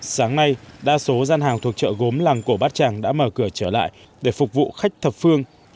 sáng nay đa số gian hàng thuộc chợ gốm làng cổ bát tràng đã mở cửa trở lại để phục vụ khách thập phương